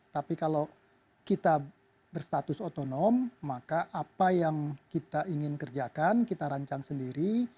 tapi kalau kita berstatus otonom maka apa yang kita ingin kerjakan kita rancang sendiri